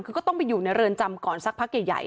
คือก็ต้องไปอยู่ในเรือนจำก่อนสักพักใหญ่